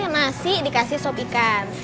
nasi dikasih sop ikan